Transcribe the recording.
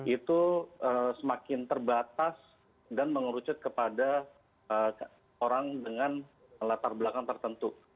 itu semakin terbatas dan mengerucut kepada orang dengan latar belakang tertentu